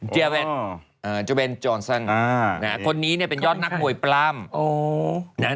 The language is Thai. เดียเวนโจเบนจอร์นซันคนนี้เนี่ยเป็นยอดนักมวยปล้ำ